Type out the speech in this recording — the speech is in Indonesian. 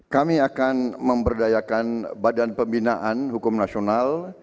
kami akan memberdayakan badan pembinaan hukum nasional